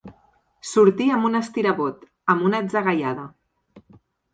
Sortir amb un estirabot, amb una atzagaiada.